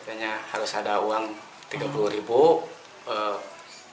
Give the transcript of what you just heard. dan juga harus ada uang tiga puluh ribu per kupon